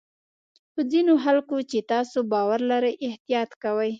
په ځینو خلکو چې تاسو باور لرئ احتیاط کوئ.